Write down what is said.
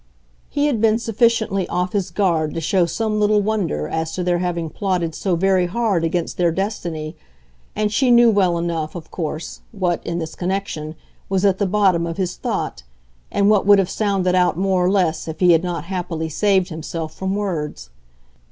He had been sufficiently off his guard to show some little wonder as to their having plotted so very hard against their destiny, and she knew well enough, of course, what, in this connection, was at the bottom of his thought, and what would have sounded out more or less if he had not happily saved himself from words.